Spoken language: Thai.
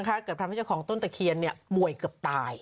ทำให้เจ้าของต้นตะเคียนป่วยเกือบตาย